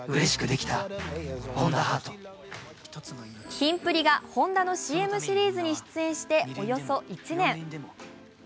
キンプリがＨｏｎｄａのＣＭシリーズに出演しておよそ１年。